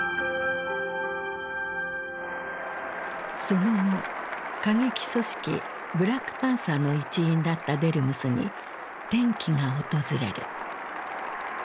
その後過激組織ブラックパンサーの一員だったデルムスに転機が訪れる。